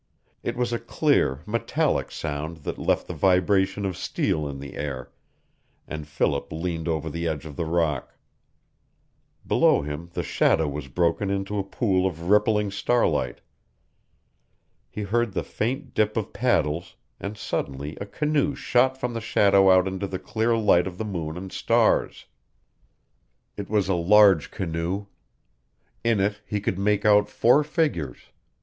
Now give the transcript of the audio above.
It was a clear, metallic sound that left the vibration of steel in the air, and Philip leaned over the edge of the rock. Below him the shadow was broken into a pool of rippling starlight. He heard the faint dip of paddles, and suddenly a canoe shot from the shadow out into the clear light of the moon and stars. It was a large canoe. In it he could make out four figures.